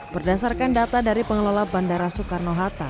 berdasarkan data dari pengelola bandara soekarno hatta